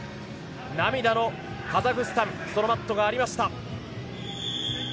涙のカザフスタンそのマットがありました。